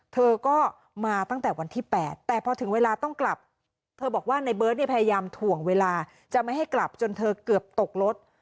เธอก็มาตั้งแต่วันที่๘แต่พอถึงเวลาถึงกลับรู้ที่ในเบิร์ดพยายามทวงเวลาจะไม่ให้กลับจนเธอเกือบตกลด